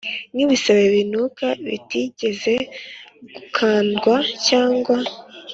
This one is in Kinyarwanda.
N ibisebe binuka bitigeze gukandwa cyangwa